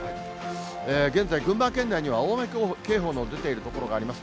現在、群馬県内には大雨警報の出ている所があります。